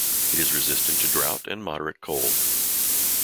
It is resistant to drought and moderate cold.